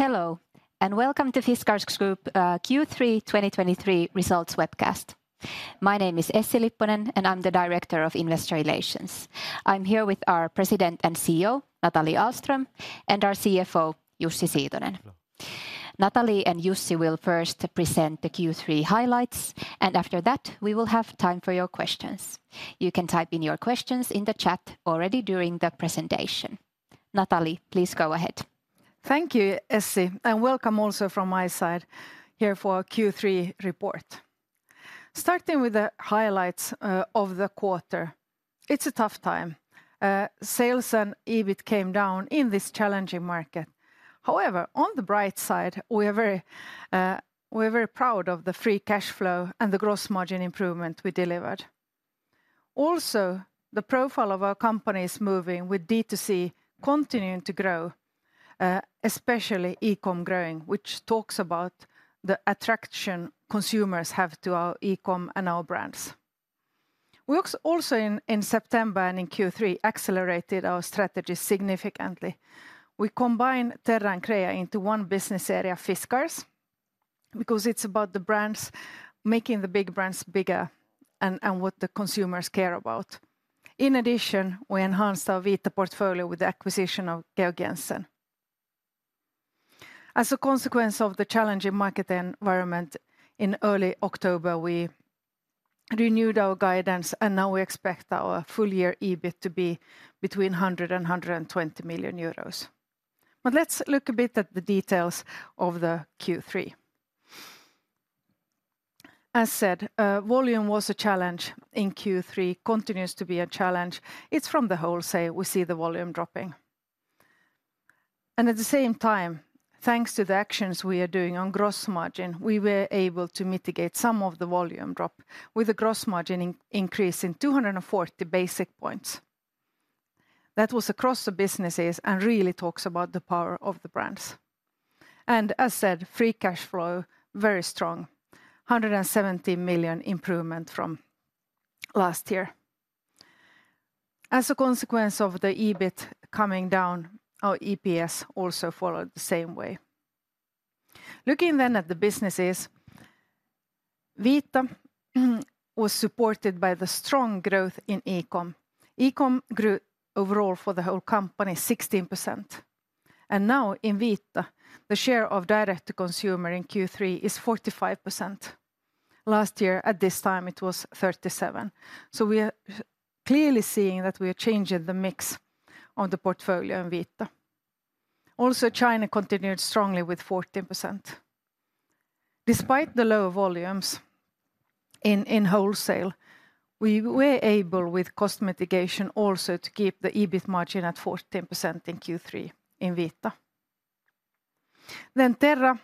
Hello, and welcome to Fiskars Group Q3 2023 results webcast. My name is Essi Lipponen, and I'm the Director of Investor Relations. I'm here with our President and CEO, Nathalie Ahlström, and our CFO, Jussi Siitonen. Nathalie and Jussi will first present the Q3 highlights, and after that, we will have time for your questions. You can type in your questions in the chat already during the presentation. Nathalie, please go ahead. Thank you, Essi, and welcome also from my side here for our Q3 report. Starting with the highlights of the quarter, it's a tough time. Sales and EBIT came down in this challenging market. However, on the bright side, we are very, we're very proud of the free cash flow and the gross margin improvement we delivered. Also, the profile of our company is moving, with D2C continuing to grow, especially e-com growing, which talks about the attraction consumers have to our e-com and our brands. We also in September and in Q3, accelerated our strategy significantly. We combined Terra and Crea into one business area, Fiskars, because it's about the brands, making the big brands bigger and what the consumers care about. In addition, we enhanced our Vita portfolio with the acquisition of Georg Jensen. As a consequence of the challenging market environment, in early October, we renewed our guidance, and now we expect our full year EBIT to be between 100 million euros and 120 million euros. But let's look a bit at the details of the Q3. As said, volume was a challenge in Q3, continues to be a challenge. It's from the wholesale we see the volume dropping. And at the same time, thanks to the actions we are doing on gross margin, we were able to mitigate some of the volume drop, with a gross margin increase in 240 basis points. That was across the businesses and really talks about the power of the brands. And as said, free cash flow, very strong, 170 million improvement from last year. As a consequence of the EBIT coming down, our EPS also followed the same way. Looking then at the businesses, Vita, was supported by the strong growth in e-com. E-com grew overall for the whole company 16%, and now in Vita, the share of direct-to-consumer in Q3 is 45%. Last year, at this time, it was 37%. So we are clearly seeing that we are changing the mix of the portfolio in Vita. Also, China continued strongly with 14%. Despite the lower volumes in wholesale, we were able, with cost mitigation, also to keep the EBIT margin at 14% in Q3 in Vita. Then Terra.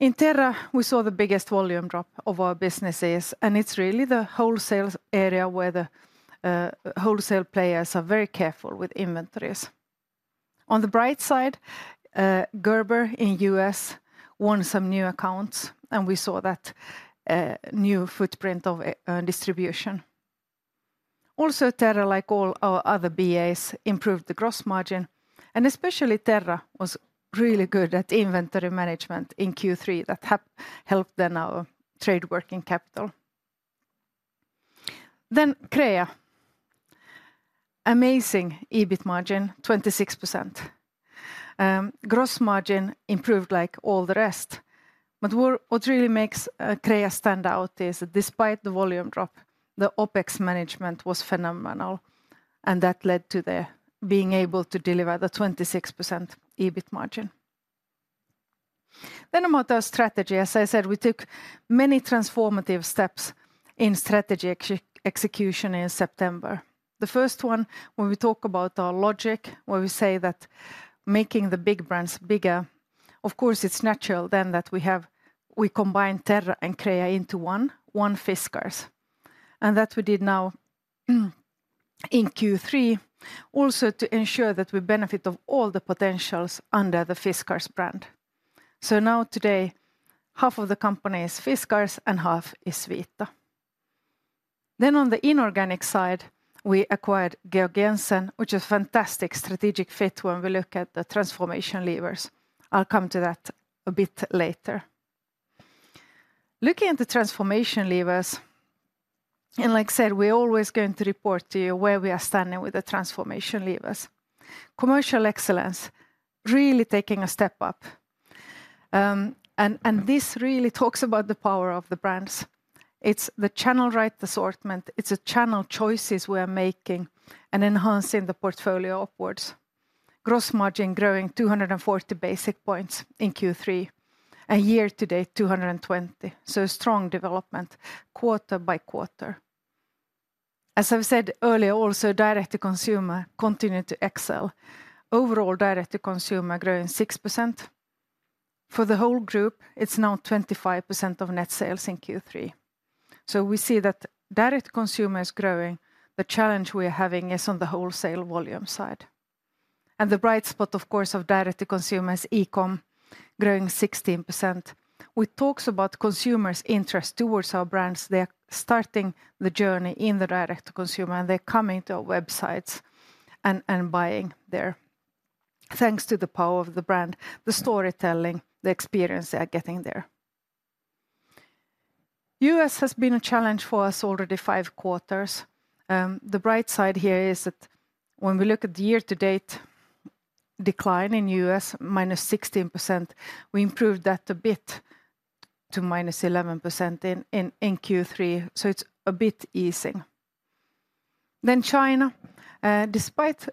In Terra, we saw the biggest volume drop of our businesses, and it's really the wholesale area where the wholesale players are very careful with inventories. On the bright side, Gerber in U.S. won some new accounts, and we saw that new footprint of distribution. Also, Terra, like all our other BAs, improved the gross margin, and especially Terra was really good at inventory management in Q3. That helped then our trade working capital. Then Crea. Amazing EBIT margin, 26%. Gross margin improved like all the rest, but what, what really makes Crea stand out is that despite the volume drop, the OpEx management was phenomenal, and that led to their being able to deliver the 26% EBIT margin. Then about our strategy. As I said, we took many transformative steps in strategy execution in September. The first one, when we talk about our logic, when we say that making the big brands bigger, of course, it's natural then that we have we combine Terra and Crea into one, one Fiskars. And that we did now, in Q3, also to ensure that we benefit of all the potentials under the Fiskars brand. So now today, half of the company is Fiskars and half is Vita. Then on the inorganic side, we acquired Georg Jensen, which is fantastic strategic fit when we look at the transformation levers. I'll come to that a bit later. Looking at the transformation levers, and like I said, we're always going to report to you where we are standing with the transformation levers. Commercial excellence, really taking a step up, and this really talks about the power of the brands. It's the channel right assortment, it's the channel choices we are making and enhancing the portfolio upwards. Gross margin growing 240 basis points in Q3, and year to date, 220. So a strong development, quarter by quarter. As I've said earlier, also, direct-to-consumer continued to excel. Overall, direct to consumer growing 6%. For the whole group, it's now 25% of net sales in Q3. So we see that direct consumer is growing. The challenge we are having is on the wholesale volume side. The bright spot, of course, of direct-to-consumer is e-com... growing 16%. With talks about consumers' interest towards our brands, they are starting the journey in the direct to consumer, and they're coming to our websites and, and buying there. Thanks to the power of the brand, the storytelling, the experience they are getting there. U.S. has been a challenge for us already five quarters. The bright side here is that when we look at the year-to-date decline in U.S., minus 16%, we improved that a bit to minus 11% in Q3, so it's a bit easing. Then China, despite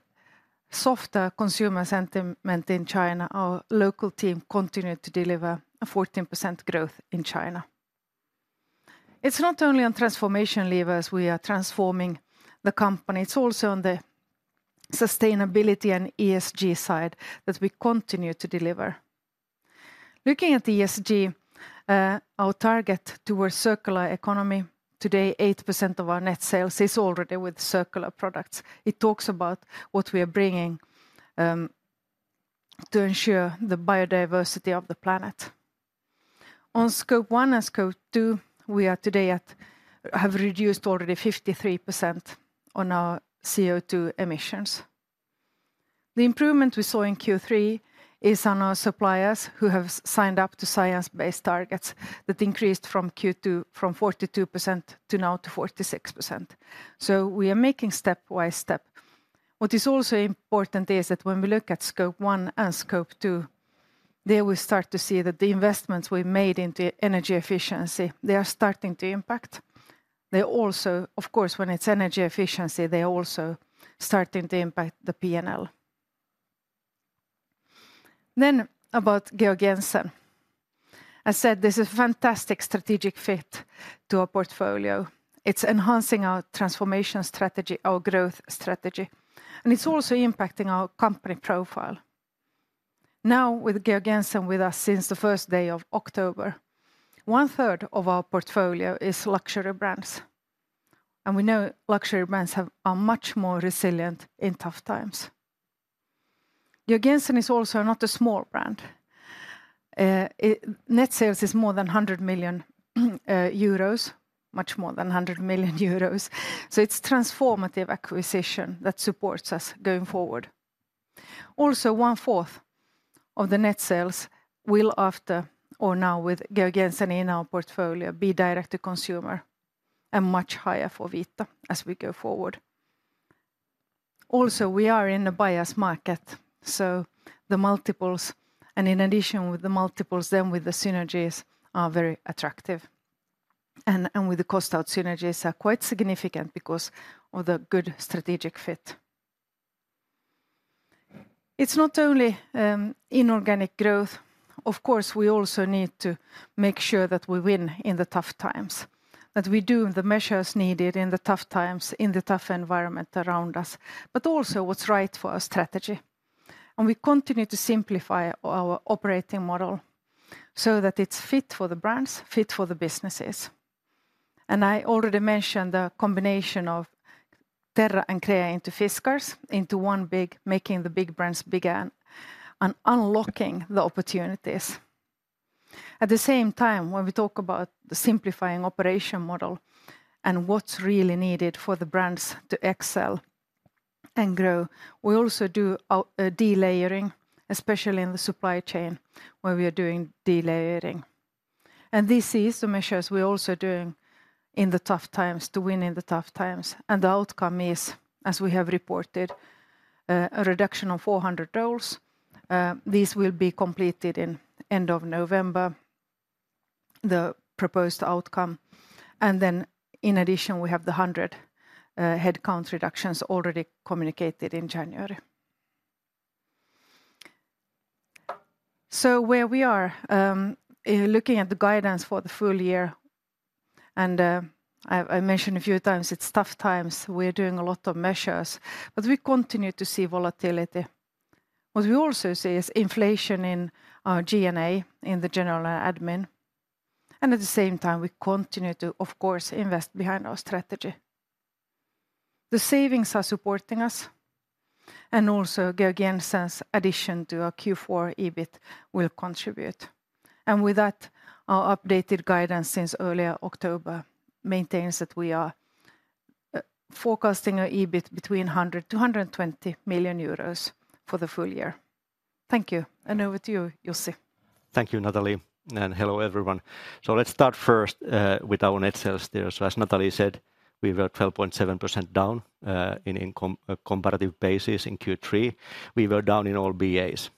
softer consumer sentiment in China, our local team continued to deliver a 14% growth in China. It's not only on transformation levers we are transforming the company, it's also on the sustainability and ESG side that we continue to deliver. Looking at the ESG, our target towards circular economy, today, 8% of our net sales is already with circular products. It talks about what we are bringing to ensure the biodiversity of the planet. On Scope 1 and Scope 2, we are today have reduced already 53% on our CO2 emissions. The improvement we saw in Q3 is on our suppliers who have signed up to Science-Based Targets that increased from Q2, from 42% to now to 46%. So we are making step by step. What is also important is that when we look at Scope 1 and Scope 2, there we start to see that the investments we made into energy efficiency, they are starting to impact. They also... Of course, when it's energy efficiency, they are also starting to impact the P&L. Then about Georg Jensen. I said this is fantastic strategic fit to our portfolio. It's enhancing our transformation strategy, our growth strategy, and it's also impacting our company profile. Now, with Georg Jensen with us since the first day of October, one third of our portfolio is luxury brands, and we know luxury brands are much more resilient in tough times. Georg Jensen is also not a small brand. Its net sales is more than 100 million euros, much more than 100 million euros, so it's transformative acquisition that supports us going forward. Also, one fourth of the net sales will after, or now with Georg Jensen in our portfolio, be direct to consumer and much higher for Vita as we go forward. Also, we are in a buyer's market, so the multiples, and in addition with the multiples, then with the synergies, are very attractive. And with the cost out, synergies are quite significant because of the good strategic fit. It's not only inorganic growth. Of course, we also need to make sure that we win in the tough times, that we do the measures needed in the tough times, in the tough environment around us, but also what's right for our strategy. And we continue to simplify our operating model so that it's fit for the brands, fit for the businesses. And I already mentioned the combination of Terra and Crea into Fiskars, into one big, making the big brands bigger and unlocking the opportunities. At the same time, when we talk about the simplifying operation model and what's really needed for the brands to excel and grow, we also do a delayering, especially in the supply chain, where we are doing delayering. And this is the measures we are also doing in the tough times, to win in the tough times, and the outcome is, as we have reported, a reduction of 400 roles. This will be completed in end of November, the proposed outcome. And then, in addition, we have the 100 headcount reductions already communicated in January. So where we are in looking at the guidance for the full year, and I mentioned a few times, it's tough times. We're doing a lot of measures, but we continue to see volatility. What we also see is inflation in our G&A, in the general and admin, and at the same time, we continue to, of course, invest behind our strategy. The savings are supporting us, and also Georg Jensen's addition to our Q4 EBIT will contribute. And with that, our updated guidance since earlier October maintains that we are forecasting our EBIT between 100 million-120 million euros for the full year. Thank you, and over to you, Jussi. Thank you, Nathalie, and hello, everyone. So let's start first with our net sales there. So as Nathalie said, we were 12.7% down in comparative basis in Q3. We were down in all BAs.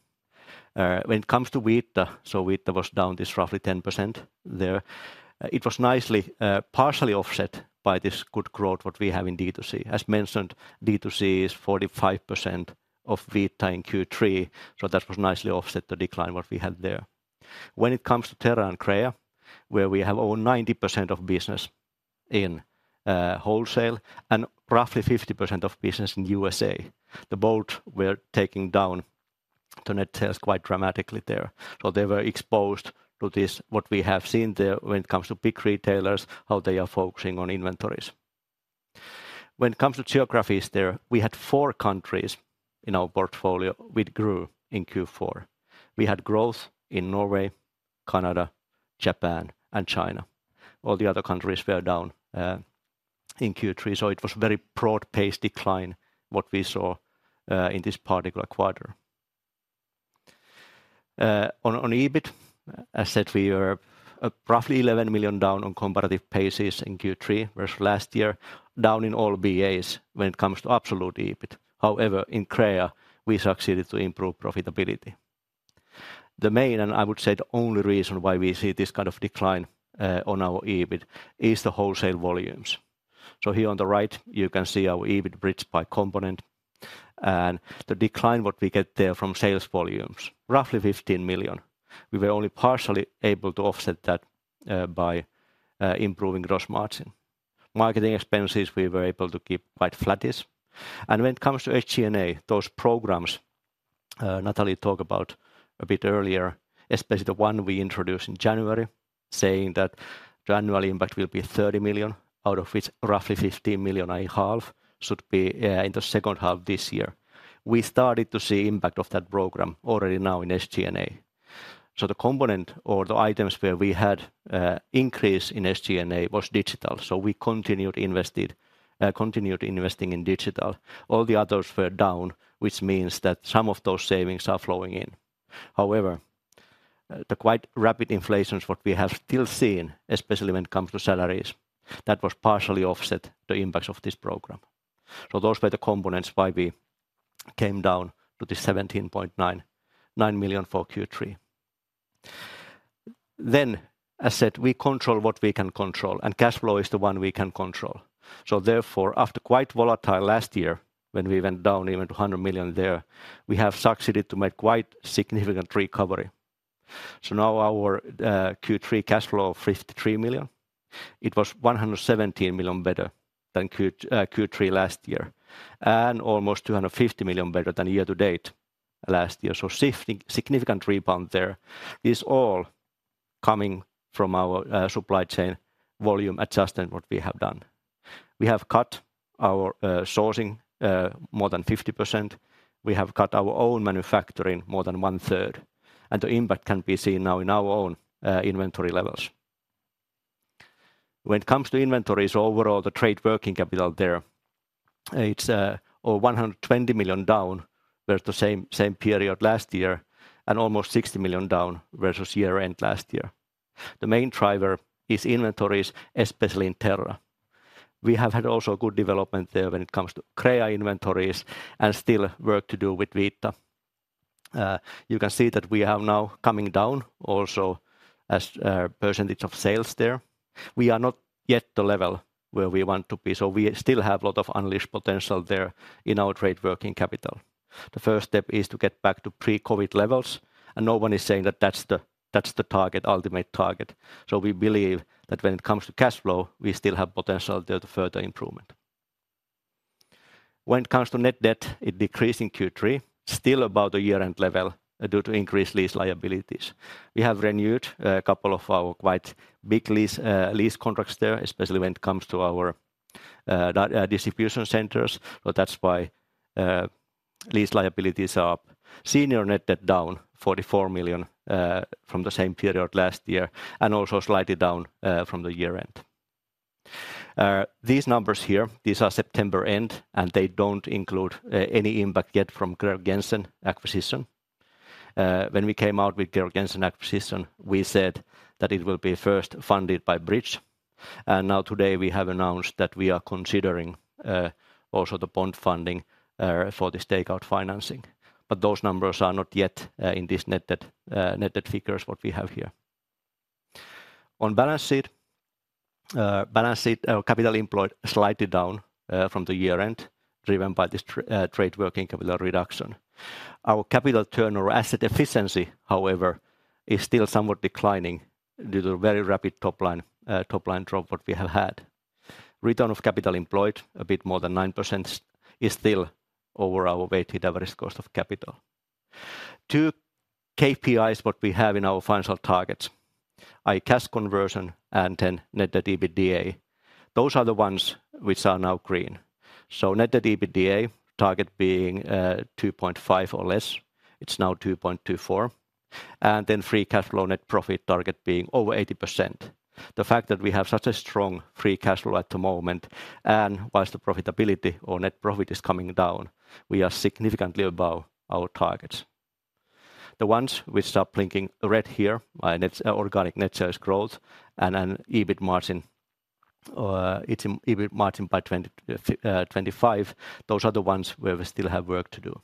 When it comes to Vita, so Vita was down roughly 10% there. It was nicely partially offset by this good growth what we have in D2C. As mentioned, D2C is 45% of Vita in Q3, so that was nicely offset the decline what we had there. When it comes to Terra and Crea, where we have over 90% of business in wholesale and roughly 50% of business in USA, the both were taking down the net sales quite dramatically there. So they were exposed to this, what we have seen there when it comes to big retailers, how they are focusing on inventories. When it comes to geographies there, we had four countries in our portfolio which grew in Q4. We had growth in Norway, Canada, Japan, and China. All the other countries were down in Q3, so it was very broad-based decline, what we saw in this particular quarter. On EBIT, as said, we are roughly 11 million down on comparative basis in Q3 versus last year, down in all BAs when it comes to absolute EBIT. However, in Crea, we succeeded to improve profitability. The main, and I would say the only reason why we see this kind of decline on our EBIT, is the wholesale volumes. So here on the right, you can see our EBIT bridged by component and the decline what we get there from sales volumes, roughly 15 million. We were only partially able to offset that by improving gross margin. Marketing expenses, we were able to keep quite flattish. And when it comes to SG&A, those programs Nathalie talked about a bit earlier, especially the one we introduced in January, saying that the annual impact will be 30 million, out of which roughly 15 million, i.e., half should be in the second half this year. We started to see impact of that program already now in SG&A. So the component or the items where we had increase in SG&A was digital, so we continued investing in digital. All the others were down, which means that some of those savings are flowing in. However, the quite rapid inflations, what we have still seen, especially when it comes to salaries, that was partially offset the impacts of this program. So those were the components why we came down to the 17.99 million for Q3. Then, as said, we control what we can control, and cash flow is the one we can control. So therefore, after quite volatile last year, when we went down even to 100 million there, we have succeeded to make quite significant recovery. So now our Q3 cash flow of 53 million, it was 117 million better than Q3 last year, and almost 250 million better than year to date last year. So significant rebound there is all coming from our supply chain volume adjustment, what we have done. We have cut our sourcing more than 50%. We have cut our own manufacturing more than one third, and the impact can be seen now in our own inventory levels. When it comes to inventories, overall, the trade working capital there, it's over 120 million down versus the same period last year, and almost 60 million down versus year-end last year. The main driver is inventories, especially in Terra. We have had also good development there when it comes to Crea inventories and still work to do with Vita. You can see that we are now coming down also as a percentage of sales there. We are not yet the level where we want to be, so we still have a lot of unleashed potential there in our trade working capital. The first step is to get back to pre-COVID levels, and no one is saying that that's the, that's the target, ultimate target. So we believe that when it comes to cash flow, we still have potential there to further improvement. When it comes to net debt, it decreased in Q3, still about a year-end level due to increased lease liabilities. We have renewed a couple of our quite big lease contracts there, especially when it comes to our distribution centers. So that's why lease liabilities are up, senior net debt down 44 million from the same period last year and also slightly down from the year-end. These numbers here, these are September end, and they don't include any impact yet from Georg Jensen acquisition. When we came out with Georg Jensen acquisition, we said that it will be first funded by bridge, and now today we have announced that we are considering also the bond funding for this takeout financing. But those numbers are not yet in these net debt, net debt figures what we have here. On balance sheet, balance sheet, our capital employed slightly down from the year end, driven by this trade working capital reduction. Our capital turnover asset efficiency, however, is still somewhat declining due to a very rapid top line, top line drop what we have had. Return of capital employed, a bit more than 9%, is still over our weighted average cost of capital. Two KPIs what we have in our financial targets are cash conversion and then Net Debt / EBITDA. Those are the ones which are now green. So net debt/EBITDA, target being 2.5 or less, it's now 2.24, and then free cash flow net profit target being over 80%. The fact that we have such a strong free cash flow at the moment, and while the profitability or net profit is coming down, we are significantly above our targets. The ones which are blinking red here are organic net sales growth and then EBIT margin by 2025. Those are the ones where we still have work to do.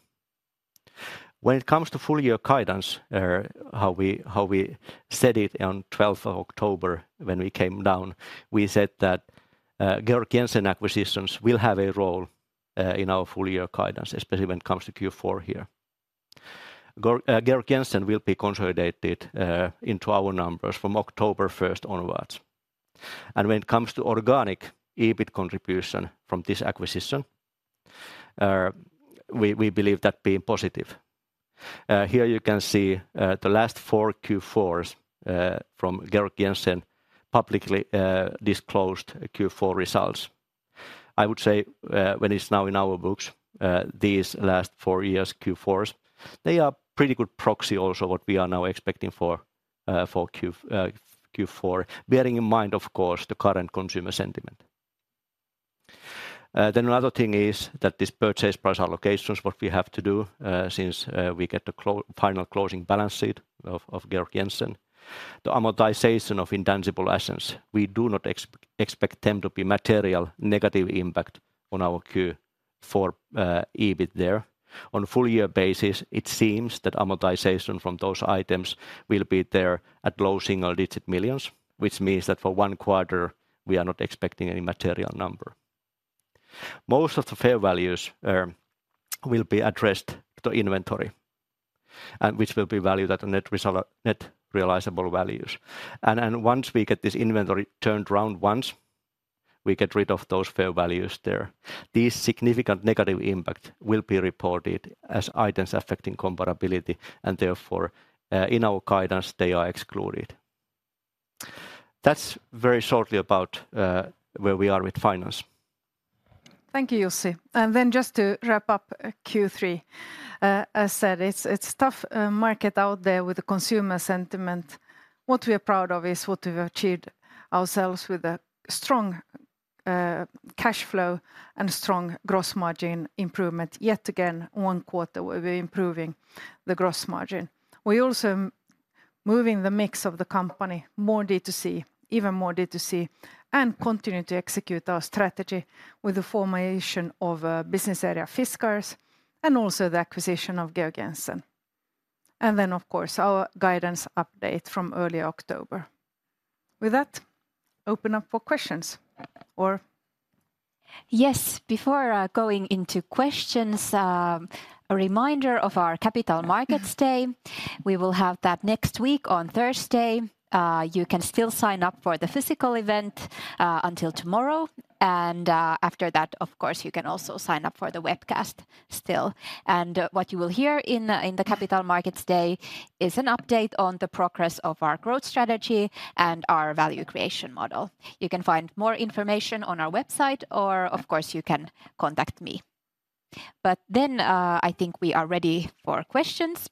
When it comes to full year guidance, how we said it on the 12th of October when we came down, we said that Georg Jensen acquisition will have a role in our full year guidance, especially when it comes to Q4 here. Georg Jensen will be consolidated into our numbers from October first onwards. And when it comes to organic EBIT contribution from this acquisition, we believe that being positive. Here you can see the last four Q4s from Georg Jensen publicly disclosed Q4 results. I would say, when it's now in our books, these last four years' Q4s, they are pretty good proxy also what we are now expecting for Q4, bearing in mind, of course, the current consumer sentiment. Then another thing is that this purchase price allocations, what we have to do, since we get the final closing balance sheet of Georg Jensen, the amortization of intangible assets, we do not expect them to be material negative impact on our Q4 EBIT there. On a full year basis, it seems that amortization from those items will be there at low single-digit millions, which means that for one quarter we are not expecting any material number. Most of the fair values will be addressed to inventory, and which will be valued at a net result- net realizable values. And, and once we get this inventory turned around once, we get rid of those fair values there. These significant negative impact will be reported as items affecting comparability, and therefore, in our guidance, they are excluded. That's very shortly about where we are with finance. Thank you, Jussi. And then just to wrap up Q3, as said, it's tough market out there with the consumer sentiment. What we are proud of is what we've achieved ourselves with a strong cash flow and strong gross margin improvement. Yet again, one quarter we're improving the gross margin. We're also moving the mix of the company more D2C, even more D2C, and continuing to execute our strategy with the formation of a business area, Fiskars, and also the acquisition of Georg Jensen. And then, of course, our guidance update from early October. With that, open up for questions, or...? Yes, before going into questions, a reminder of our Capital Markets Day. We will have that next week on Thursday. You can still sign up for the physical event until tomorrow, and after that, of course, you can also sign up for the webcast still. And what you will hear in the Capital Markets Day is an update on the progress of our growth strategy and our value creation model. You can find more information on our website, or of course, you can contact me. But then, I think we are ready for questions.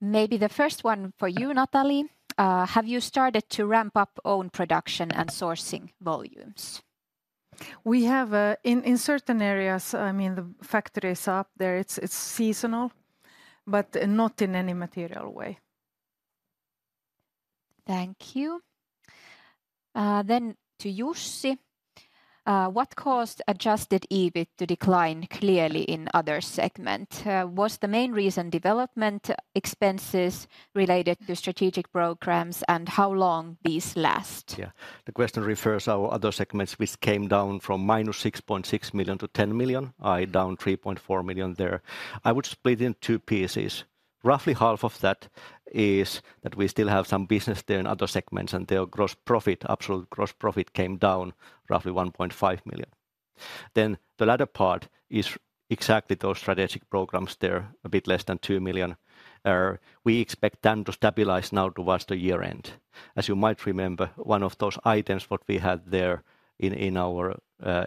Maybe the first one for you, Nathalie. Have you started to ramp up own production and sourcing volumes? We have in certain areas, I mean, the factory is up there, it's seasonal, but not in any material way. Thank you. Then to Jussi, what caused adjusted EBIT to decline clearly in Other segment? Was the main reason development expenses related to strategic programs, and how long these last? Yeah. The question refers to our other segments, which came down from -6.6 million to 10 million, i.e., down 3.4 million there. I would split in 2 pieces. Roughly half of that is that we still have some business there in other segments, and their gross profit, absolute gross profit, came down roughly 1.5 million. Then the latter part is exactly those strategic programs there, a bit less than 2 million. We expect them to stabilize now towards the year end. As you might remember, one of those items, what we had there in our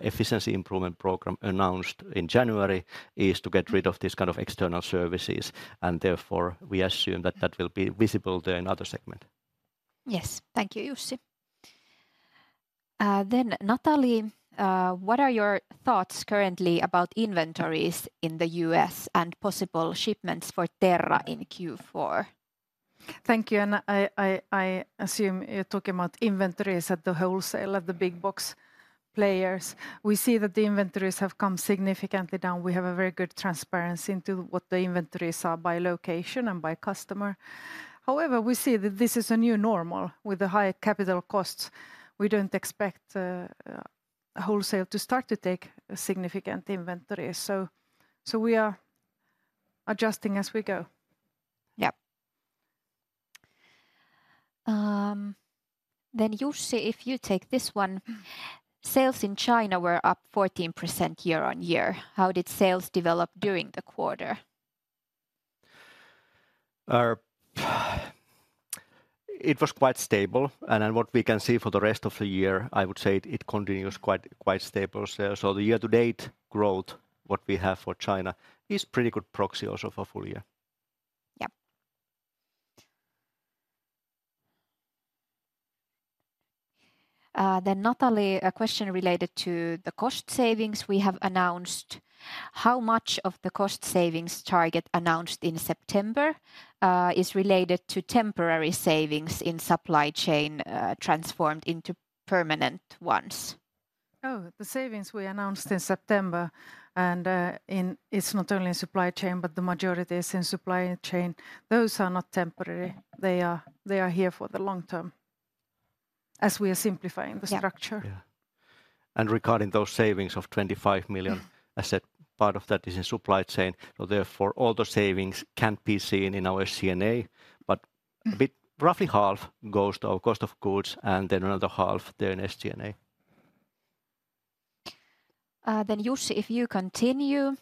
efficiency improvement program announced in January, is to get rid of these kind of external services, and therefore, we assume that that will be visible there in other segment. Yes. Thank you, Jussi. Then, Nathalie, what are your thoughts currently about inventories in the U.S. and possible shipments for Terra in Q4? Thank you, and I assume you're talking about inventories at the wholesale, at the big box players. We see that the inventories have come significantly down. We have a very good transparency into what the inventories are by location and by customer. However, we see that this is a new normal. With the high capital costs, we don't expect wholesale to start to take significant inventories, so we are adjusting as we go. Yeah. Then, Jussi, if you take this one. Sales in China were up 14% year-over-year. How did sales develop during the quarter? It was quite stable, and then what we can see for the rest of the year, I would say it continues quite, quite stable. So the year-to-date growth, what we have for China, is pretty good proxy also for full year. Yep. Then, Nathalie, a question related to the cost savings we have announced. How much of the cost savings target announced in September is related to temporary savings in supply chain, transformed into permanent ones? Oh, the savings we announced in September. It's not only in supply chain, but the majority is in supply chain. Those are not temporary. They are here for the long term, as we are simplifying the structure. Yeah. Yeah. Regarding those savings of 25 million, I said part of that is in supply chain, so therefore, all the savings can be seen in our SG&A. But- Mm... a bit, roughly half goes to our cost of goods, and then another half there in SG&A. Then, Jussi, if you continue,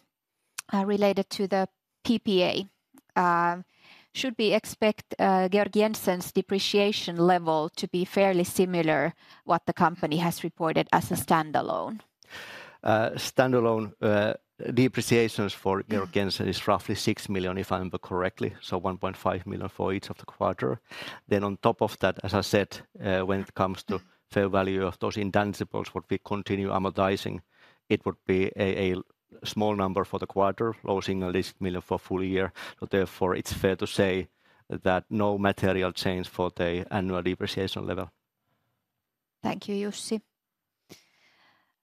related to the PPA, should we expect Georg Jensen's depreciation level to be fairly similar what the company has reported as a standalone? Standalone depreciation for Georg Jensen- Yeah... is roughly 6 million, if I remember correctly, so 1.5 million for each of the quarter. Then on top of that, as I said, when it comes to fair value of those intangibles, what we continue amortizing, it would be a small number for the quarter, low single-digit million for full year. So therefore, it's fair to say that no material change for the annual depreciation level. Thank you, Jussi.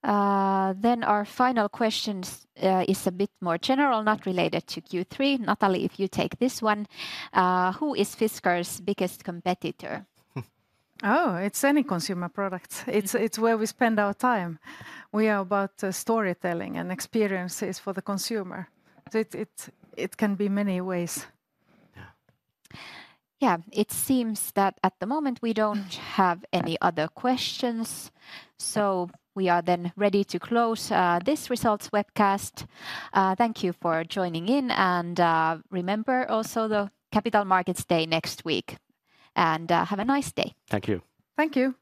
Then our final questions is a bit more general, not related to Q3. Nathalie, if you take this one. Who is Fiskars' biggest competitor? Oh, it's any consumer product. Yeah. It's where we spend our time. We are about storytelling and experiences for the consumer. So it can be many ways. Yeah. Yeah. It seems that at the moment we don't have any other questions, so we are then ready to close, this results webcast. Thank you for joining in, and, remember also the Capital Markets Day next week. And, have a nice day. Thank you. Thank you!